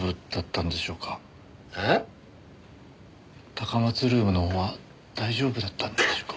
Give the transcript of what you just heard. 高松ルームのほうは大丈夫だったんでしょうか？